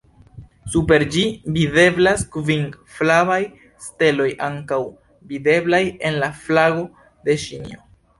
Super ĝi videblas kvin flavaj steloj ankaŭ videblaj en la flago de Ĉinio.